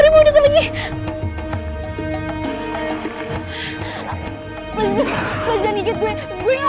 mereka mau ngapain harimau itu ya